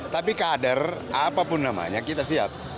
tapi kader apapun namanya kita siap